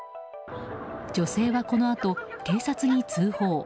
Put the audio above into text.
女性はこのあと警察に通報。